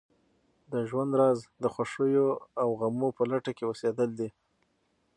د ژوند راز د خوښیو او غمو په لټه کې اوسېدل دي.